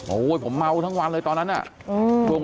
โอ้โหผมเมาทั้งวันเลยตอนนั้นน่ะ